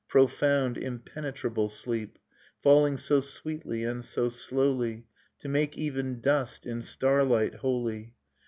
Profound impenetrable sleep. Falling so sweetly and so slowly To make even dust in starlight holy.